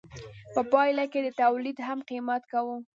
په پایله کې یې تولید هم قیمت کاوه.